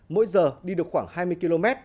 mỗi giờ đi được khoảng hai mươi km